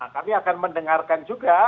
kami akan mendengarkan juga